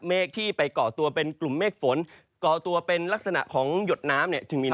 ที่ไปก่อตัวเป็นกลุ่มเมฆฝนก่อตัวเป็นลักษณะของหยดน้ำเนี่ยจึงมีน้ำ